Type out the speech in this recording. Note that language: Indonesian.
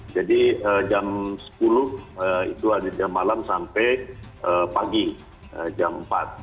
jadi jam sepuluh itu ada jam malam sampai pagi jam empat